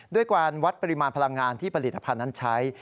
ด้วยการวัดปริมาณพลังงานที่ผลิตภัณฑ์นั้นใช้